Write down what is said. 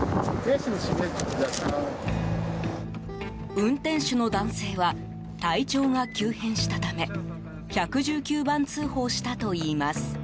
運転手の男性は体調が急変したため１１９番通報したといいます。